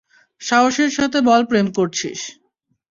সাহসের সাথে বল প্রেমে করছিস।